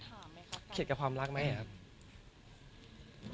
ก็มีไปคุยกับคนที่เป็นคนแต่งเพลงแนวนี้